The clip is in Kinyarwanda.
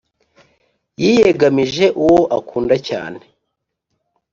yiyegamije uwo akunda cyane